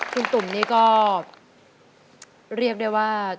คุณตุ่มนี่ก็เรียกได้ว่า